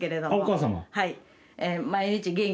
はい。